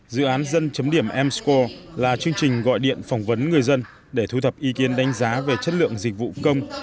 dự án dân chấm điểm m score là chương trình gọi điện phỏng vấn người dân để thu thập ý kiến đánh giá về chất lượng dịch vụ công